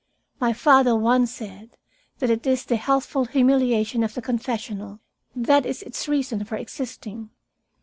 My father once said that it is the healthful humiliation of the confessional that is its reason for existing.